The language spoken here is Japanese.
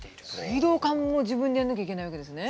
水道管も自分でやらなきゃいけないわけですね。